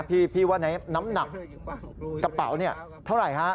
พี่ว่าน้ำหนักกระเป๋าเนี่ยเท่าไหร่ฮะ